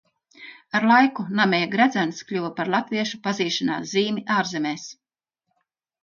Ar laiku Nameja gredzens kļuva par latviešu pazīšanās zīmi ārzemēs.